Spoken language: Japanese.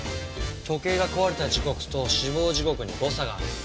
時計が壊れた時刻と死亡時刻に誤差があるんだ。